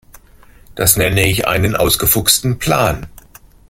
Das nenne ich einen ausgefuchsten Plan.